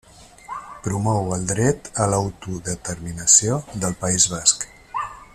Promou el dret a l'autodeterminació del País Basc.